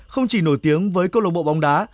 không chỉ nổi tiếng với cơ lộ bộ bóng đá